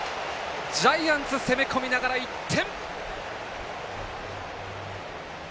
ジャイアンツ攻め込みながら１点！